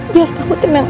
biar kamu tenang